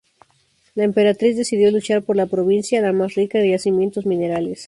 La emperatriz decidió luchar por la provincia, la más rica en yacimientos minerales.